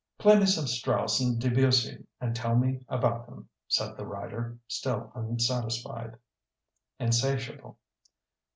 "Play me some Strauss and Debussy and tell me about them," said the writer, still unsatisfied, insatiable.